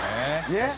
ねっ！